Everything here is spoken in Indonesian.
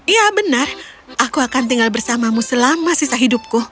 ya benar aku akan tinggal bersamamu selama sisa hidupku